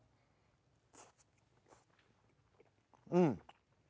うん。